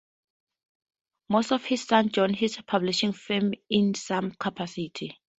Most of his sons joined his publishing firm in some capacity.